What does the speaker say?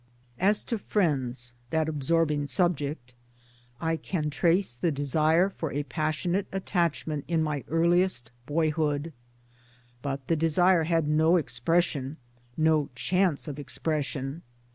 As to friends that absorbing subject I can trace the desire for a passionate attachment in my earliest boyhood. But the desire had no expression, no chance of expression.